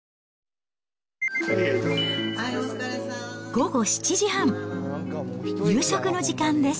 午後７時半、夕食の時間です。